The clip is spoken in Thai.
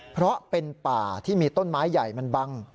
เพราะเป็นป่าที่มีต้นไม้ใหญ่มันบัง